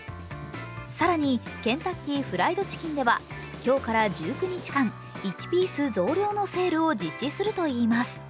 更に、ケンタッキーフライドチキンでは今日から１９日間、１ピース増量のセールを実施するといいます。